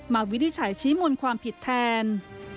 มาวิดิฉัยชี้มนตร์ความผิดแทน